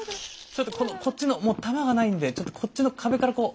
ちょっとこのこっちのもう弾がないんでちょっとこっちの壁からこう。